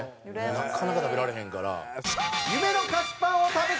なかなか食べられへんから。